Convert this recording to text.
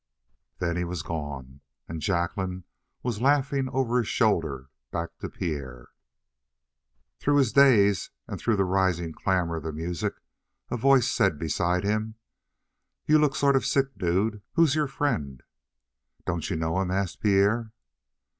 Then he was gone, and Jacqueline was laughing over his shoulder back to Pierre. Through his daze and through the rising clamor of the music, a voice said beside him: "You look sort of sick, dude. Who's your friend?" "Don't you know him?" asked Pierre.